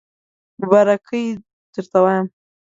مبارکی درته وایم